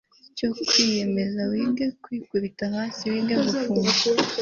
cyo kwiyemeza, wige kwikubita hasi, wige gufunga